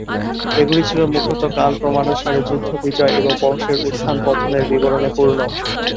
এগুলি ছিলো মুখ্যত কালক্রমানুসারে যুদ্ধ, বিজয় এবং বংশের উত্থান-পতনের বিবরণে পূর্ণ।